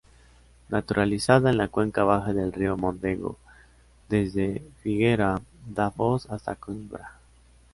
Naturalizada en la cuenca baja del río Mondego, desde Figueira da Foz hasta Coimbra.